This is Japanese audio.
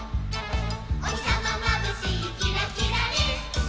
「おひさままぶしいキラキラリン！」